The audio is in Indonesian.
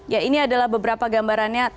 ya ini adalah beberapa gambarannya